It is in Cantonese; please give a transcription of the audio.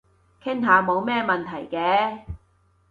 傾下冇咩問題嘅